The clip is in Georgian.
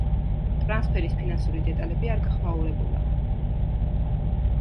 ტრანსფერის ფინანსური დეტალები არ გახმაურებულა.